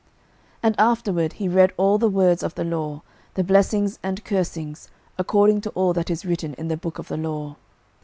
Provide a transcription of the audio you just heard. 06:008:034 And afterward he read all the words of the law, the blessings and cursings, according to all that is written in the book of the law.